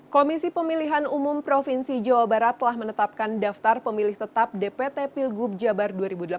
komisi pemilihan umum provinsi jawa barat telah menetapkan daftar pemilih tetap dpt pilgub jabar dua ribu delapan belas